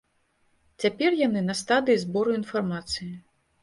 Цяпер яны на стадыі збору інфармацыі.